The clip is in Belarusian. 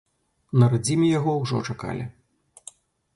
На радзіме яго ўжо чакалі.